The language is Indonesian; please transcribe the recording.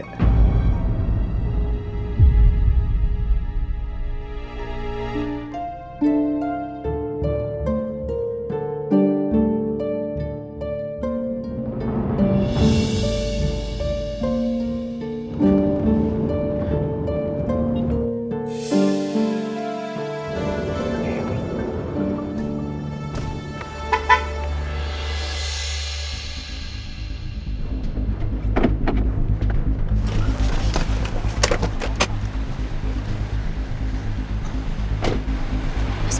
gue gak percaya